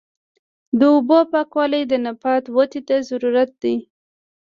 د اوبو پاکوالی د نبات ودې ته ضروري دی.